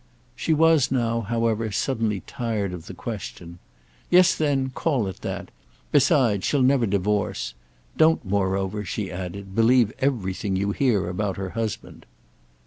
She was now, however, suddenly tired of the question. "Yes then—call it that. Besides, she'll never divorce. Don't, moreover," she added, "believe everything you hear about her husband."